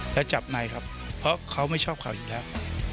แล้วจับในครับเพราะเขาไม่ชอบเขาอยู่แล้ว